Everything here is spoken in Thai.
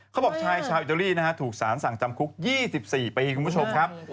เขาบอกชายชาวอิตาลีนะฮะถูกสารสั่งจำคุก๒๔ปีคุณผู้ชมครับ